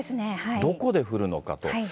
どこで降るのかと。